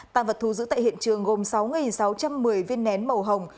tăng vật thu giữ tại hiện trường gồm sáu sáu trăm một mươi viên nén màu hồng